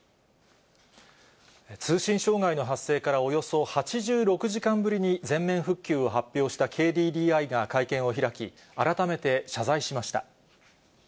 通信障害の発生からおよそ８６時間ぶりに、全面復旧を発表したＫＤＤＩが会見を開き、改めて謝罪しました。